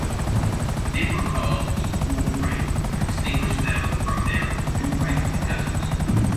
They were called the "Old Right" to distinguish them from their New Right successors.